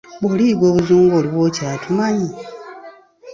Bw'oliyiga oluzungu oliba okyatumanyi?